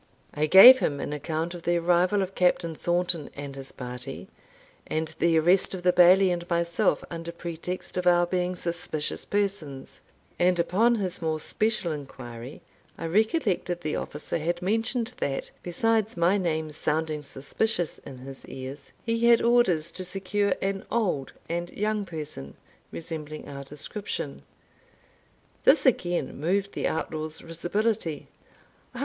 I gave him an account of the arrival of Captain Thornton and his party, and the arrest of the Bailie and myself under pretext of our being suspicious persons; and upon his more special inquiry, I recollected the officer had mentioned that, besides my name sounding suspicious in his ears, he had orders to secure an old and young person, resembling our description. This again moved the outlaw's risibility.